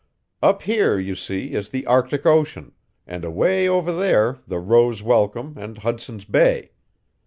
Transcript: "Up here, you see, is the Arctic Ocean, and away over there the Roes Welcome and Hudson's Bay.